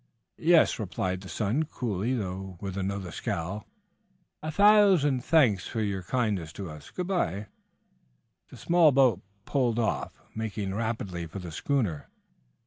"Yes," replied the son, coolly, though with another scowl. "A thousand thanks for your kindness to us. Good bye!" The small boat put off, making rapidly for the schooner.